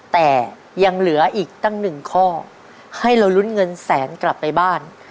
แต่ยังเหลืออีกตั้งหนึ่งข้อให้เราลุ้นเงินแสนกลับไปบ้าน